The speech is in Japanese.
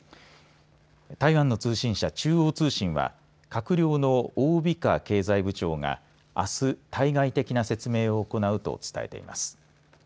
台湾通信社、中央通信は閣僚の王美花経済部長があす、対外的な説明を行うと伝えています。